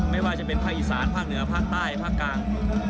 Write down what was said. ไม่ว่าจะเป็นภาคอีสานภาคเหนือภาคใต้ภาคกลาง